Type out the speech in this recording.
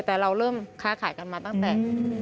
แต่เราเริ่มค้าขายกันมาตั้งแต่